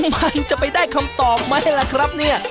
มันจะไปได้คำตอบไหมล่ะครับเนี่ย